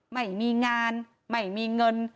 ไม่มีงานไม่มีเงิน